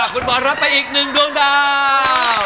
คุณบอลรับไปอีกหนึ่งดวงดาว